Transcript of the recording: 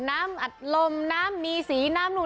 น้ำอัดลมน้ำมีสีน้ำหนูน้ำนี่